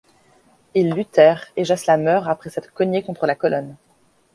Ils luttèrent, et Jasla meurt après s'être cognée contre la colonne.